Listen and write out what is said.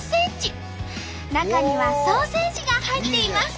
中にはソーセージが入っています。